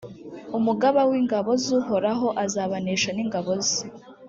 umugaba w’ingabo z’uhoraho azabanesha ni ngabo ze.